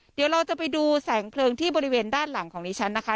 เดี๋ยวเราจะไปดูแสงเพลิงที่บริเวณด้านหลังของดิฉันนะคะ